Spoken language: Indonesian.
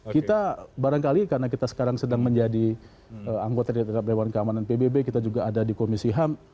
kita barangkali karena kita sekarang sedang menjadi anggota dari dewan keamanan pbb kita juga ada di komisi ham